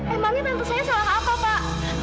emangnya tante saya salah akal pak